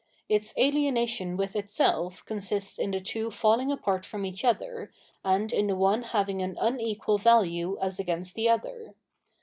Its alienation with itself consists in the two falling apart from each other, and in the one having an unequal value as against the other.